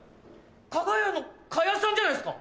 かが屋の賀屋さんじゃないっすか？